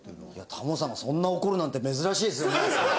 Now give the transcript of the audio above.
タモリさんがそんな怒るなんて珍しいですよね。